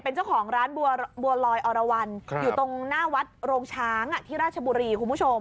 เป็นเจ้าของร้านบัวลอยอรวรรณอยู่ตรงหน้าวัดโรงช้างที่ราชบุรีคุณผู้ชม